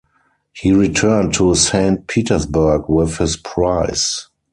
He returned to Saint Petersburg with his prize.